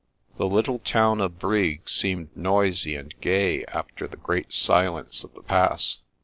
The little town of Brig seemed noisy and gay after the great silence of the Pass.